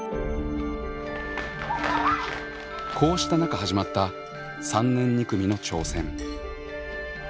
こうした中始まった３年２組の挑戦。